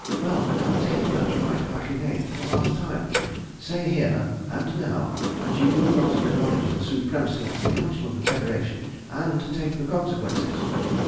Well, now, take that right back again for the last time! Say here, and now, that you will not acknowledge the supremacy of the Council of the Federation, and take the consequences!